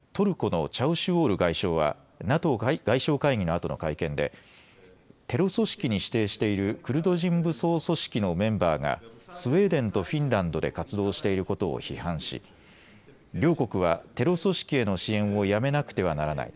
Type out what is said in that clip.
ただトルコのチャウシュオール外相はＮＡＴＯ外相会議のあとの会見でテロ組織に指定しているクルド人武装組織のメンバーがスウェーデンとフィンランドで活動していることを批判し両国はテロ組織への支援をやめなくてはならない。